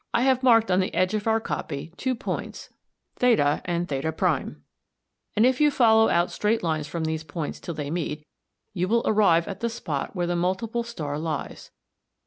I have marked on the edge of our copy two points [Greek: th] and [Greek: th]´, and if you follow out straight lines from these points till they meet, you will arrive at the spot where the multiple star lies.